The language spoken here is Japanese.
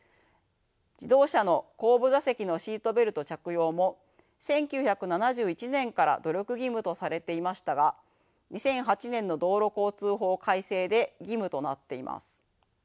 自動車の後部座席のシートベルト着用も１９７１年から努力義務とされていましたが２００８年の道路交通法改正で義務となっています。